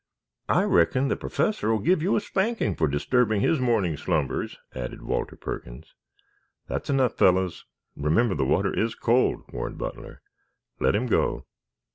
"I reckon the Professor will give you a spanking for disturbing his morning slumbers," added Walter Perkins. "That's enough, fellows. Remember the water is cold," warned Butler. "Let him go."